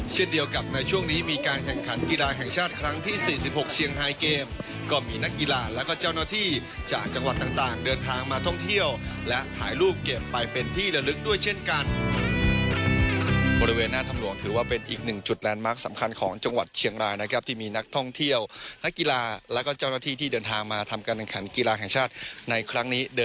เช่นเดียวกับในช่วงนี้มีการแข่งขันกีฬาแข่งชาติครั้งที่สี่สิบหกเชียงไทยเกมก็มีนักกีฬาแล้วก็เจ้าหน้าที่จากจังหวัดต่างต่างเดินทางมาท่องเที่ยวและถ่ายรูปเกมไปเป็นที่ละลึกด้วยเช่นกันบริเวณหน้าทำหลวงถือว่าเป็นอีกหนึ่งจุดแลนด์มาร์คสำคัญของจังหวัดเชียงไลน์นะคร